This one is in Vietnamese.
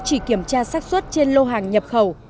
chỉ kiểm tra xác suất trên lô hàng nhập khẩu